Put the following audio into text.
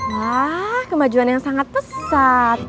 wah kemajuan yang sangat pesat